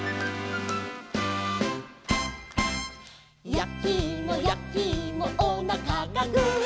「やきいもやきいもおなかがグー」